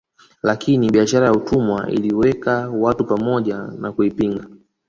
Lakini biashara ya utumwa iliwaweka watu pamoja na kuipinga